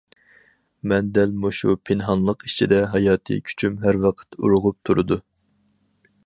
مەن دەل مۇشۇ پىنھانلىق ئىچىدە، ھاياتىي كۈچۈم ھەر ۋاقىت ئۇرغۇپ تۇرىدۇ.